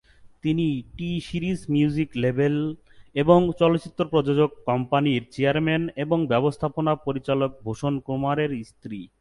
তিনি টি সিরিজ মিউজিক লেভেল এবং চলচ্চিত্র প্রযোজক কোম্পানির চেয়ারম্যান এবং ব্যবস্থাপনা পরিচালক ভূষণ কুমার এর স্ত্রী।